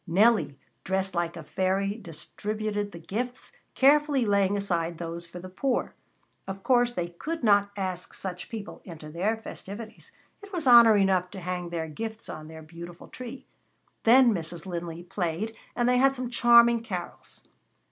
Nellie, dressed like a fairy, distributed the gifts, carefully laying aside those for the poor. Of course they could not ask such people into their festivities. It was honor enough to hang their gifts on their beautiful tree. Then Mrs. Linley played, and they had some charming carols.